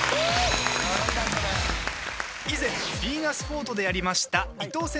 以前ヴィーナスフォートでやりました糸